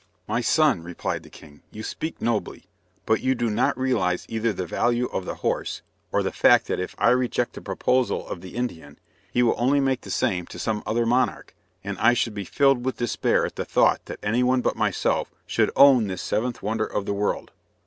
"My son," replied the king, "you speak nobly, but you do not realise either the value of the horse, or the fact that if I reject the proposal of the Indian, he will only make the same to some other monarch, and I should be filled with despair at the thought that anyone but myself should own this Seventh Wonder of the World.